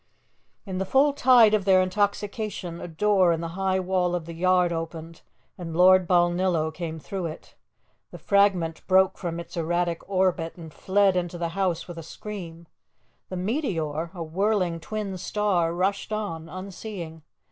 In the full tide of their intoxication, a door in the high wall of the yard opened and Lord Balnillo came through it. The fragment broke from its erratic orbit and fled into the house with a scream; the meteor, a whirling twin star, rushed on, unseeing.